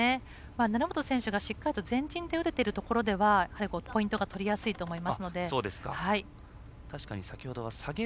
成本選手がしっかりと前陣で取れているところではポイントが取りやすいと思いますので。